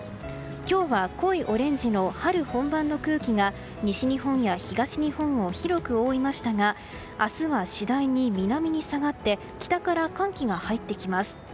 今日は濃いオレンジの春本番の空気が西日本や東日本を広く覆いましたが明日は次第に南に下がってきて北から寒気が入ってきます。